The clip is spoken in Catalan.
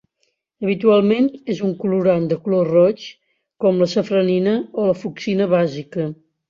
Habitualment és un colorant de color roig, com la safranina o la fucsina bàsica.